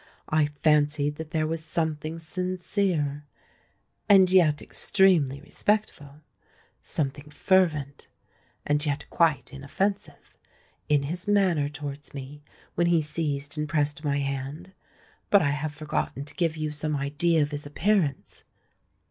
I fancied that there was something sincere—and yet extremely respectful,—something fervent—and yet quite inoffensive,—in his manner towards me when he seized and pressed my hand. But I have forgotten to give you some idea of his appearance.